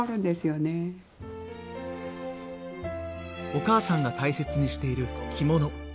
お母さんが大切にしている着物。